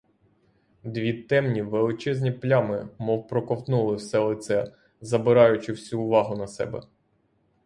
Дві темні величезні плями мов проковтнули все лице, забираючи всю увагу на себе.